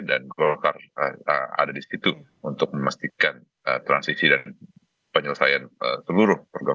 dan golkar ada di situ untuk memastikan transisi dan penyelesaian seluruh program